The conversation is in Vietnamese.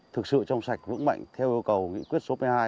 thực sự trong sạch vững mạnh theo yêu cầu nghị quyết số một mươi hai